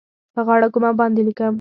په غاړه کوم او باندې لیکم